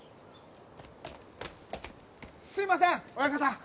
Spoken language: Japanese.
すみません親方！